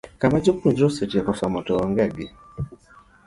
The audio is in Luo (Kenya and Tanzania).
Kama japuonjre osetieko somo to oonge gi